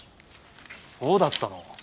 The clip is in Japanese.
そうだったの？